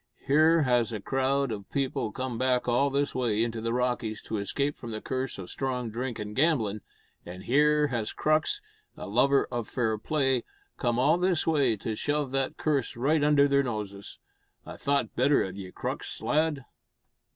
Here has a crowd o' people come back all this way into the Rockies to escape from the curse o' strong drink and gamblin', an' here has Crux a lover o' fair play come all this way to shove that curse right under their noses. I'd thowt better of ye, Crux, lad."